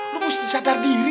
lu mesti sadar diri